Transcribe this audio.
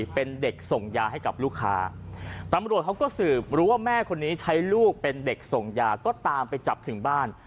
เป็นเด็กส่งยาให้กับลูกค้าตำรวจเขาก็สืบรู้ว่าแม่คนนี้ใช้ลูกเป็นเด็กส่งยาก็ตามไปจับถึงบ้าน